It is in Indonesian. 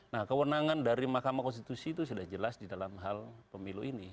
nah kewenangan dari mahkamah konstitusi itu sudah jelas di dalam hal pemilu ini